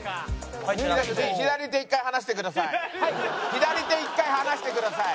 左手一回離してください。